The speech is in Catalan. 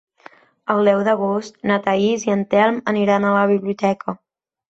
El deu d'agost na Thaís i en Telm aniran a la biblioteca.